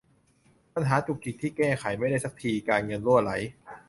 ปัญหาจุกจิกที่แก้ไขไม่ได้สักที การเงินรั่วไหล